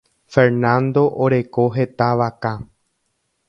Fernando oreko heta vaka.